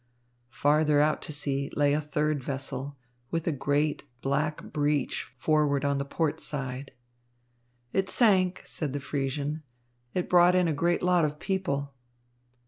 Farther out to sea lay a third vessel, with a great, black breach forward on the port side. "It sank," said the Friesian. "It brought in a great lot of people."